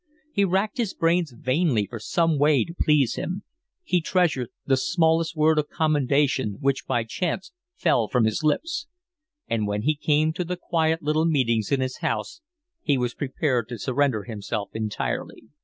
He racked his brains vainly for some way to please him. He treasured the smallest word of commendation which by chance fell from his lips. And when he came to the quiet little meetings in his house he was prepared to surrender himself entirely.